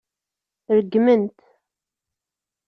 Regmen-t.